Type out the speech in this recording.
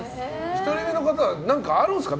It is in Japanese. １人目の方は何かあるんですか？